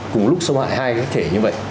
cùng lúc sâu hại hai cái thể như vậy